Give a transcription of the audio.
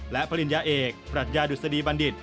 และปริญญาเอกปรัชญาดุษฎีบัณฑิต